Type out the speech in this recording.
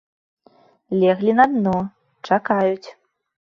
Леглі на дно, чакаюць.